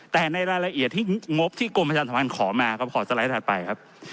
แต่ในรายละเอียดที่งบที่กลมประชาติธรรมันขอมาก็ขอสไลด์ถัดไปครับ